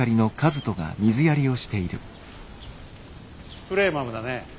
スプレーマムだね。